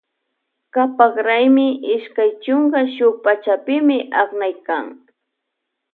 Kapak raymi ishkay chunka shuk pachapimi aknaykan.